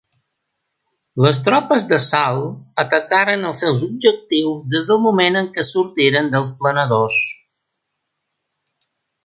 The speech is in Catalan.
Les tropes d'assalt atacaren els seus objectius des del moment en què sortiren dels planadors.